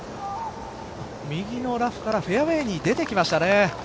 右のラフからフェアウエーに出てきましたね。